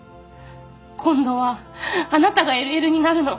今度はあなたが ＬＬ になるの